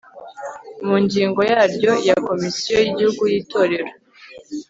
mu ngingo yaryo ya komisiyo y'igihugu y'itorero